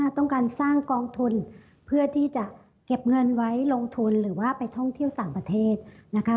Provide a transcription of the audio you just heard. ต้องการสร้างกองทุนเพื่อที่จะเก็บเงินไว้ลงทุนหรือว่าไปท่องเที่ยวต่างประเทศนะคะ